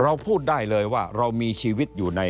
เพราะฉะนั้นท่านก็ออกโรงมาว่าท่านมีแนวทางที่จะทำเรื่องนี้ยังไง